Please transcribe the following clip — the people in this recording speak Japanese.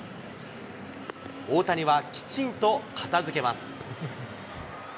大谷はきちんと片づけます。